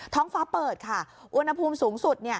ท้องฟ้าเปิดค่ะอุณหภูมิสูงสุด